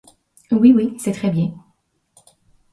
Oui, oui, c'est très bien.